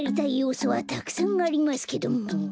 うそはたくさんありますけども。